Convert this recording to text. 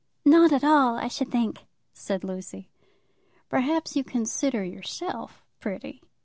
"Not at all, I should think," said Lucy. "Perhaps you consider yourself pretty.